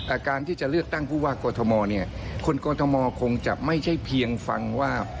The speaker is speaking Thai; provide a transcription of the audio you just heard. การที่จะเลือกตั้งผู้ว่ากอทมเนี่ยคนกรทมคงจะไม่ใช่เพียงฟังว่า